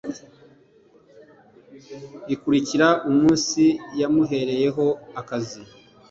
ikurikira umunsi yamuhereyeho akazi